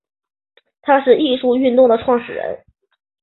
他是艺术运动的始创人。